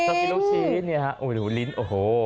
ลูกชิ้นเนี่ยโอ้โหหนูลิ้นโอ้โห